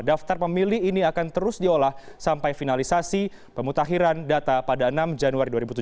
daftar pemilih ini akan terus diolah sampai finalisasi pemutahiran data pada enam januari dua ribu tujuh belas